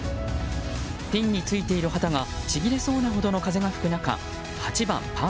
ピンについている旗がちぎれそうなほどの風が吹く中８番、パー